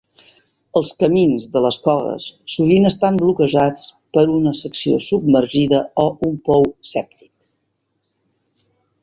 Els camins de les coves sovint estan bloquejats per una secció submergida o un pou sèptic.